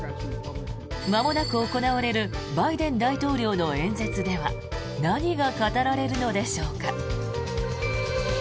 まもなく行われるバイデン大統領の演説では何が語られるのでしょうか。